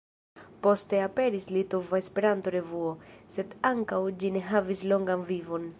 Poste aperis "Litova Esperanto-Revuo", sed ankaŭ ĝi ne havis longan vivon.